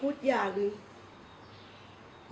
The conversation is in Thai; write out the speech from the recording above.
แล้วบอกว่าไม่รู้นะ